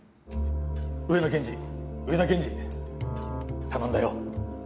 上野検事、上田検事、頼んだよ。